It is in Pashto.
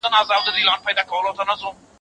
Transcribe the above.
زه به سبا سفر وکړم!!